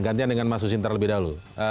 gantian dengan mas husin terlebih dahulu